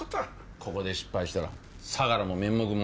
ここで失敗したら相良も面目丸潰れだな。